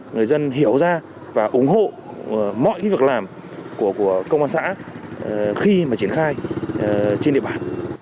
người dân hiểu ra và ủng hộ mọi việc làm của công an xã khi mà triển khai trên địa bàn